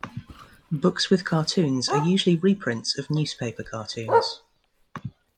Books with cartoons are usually reprints of newspaper cartoons.